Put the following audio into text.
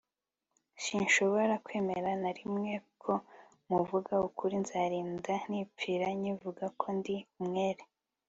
sinshobora kwemera na rimwe ko muvuga ukuri, nzarinda nipfira nkivuga ko ndi umwere